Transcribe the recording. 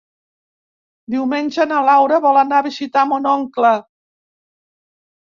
Diumenge na Laura vol anar a visitar mon oncle.